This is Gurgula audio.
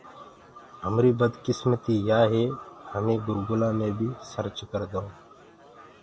همريٚ بدڪسمتيٚ يآ هي هميٚنٚ گُوگلو مي بيٚ سرچ ڪردآئوٚنٚ۔